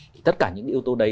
thì tất cả những yếu tố đấy